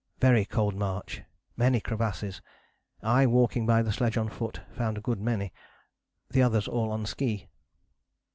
Very cold march: many crevasses: I walking by the sledge on foot found a good many: the others all on ski."